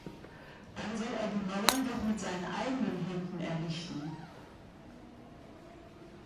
Dann soll er die Mauern doch mit seinen eigenen Händen errichten!